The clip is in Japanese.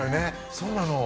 そうなの。